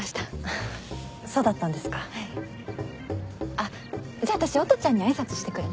あっじゃあ私音ちゃんに挨拶してくるね。